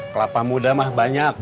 kelapa muda mah banyak